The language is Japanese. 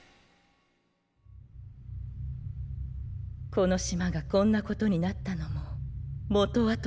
この島がこんなことになったのももとはといえば。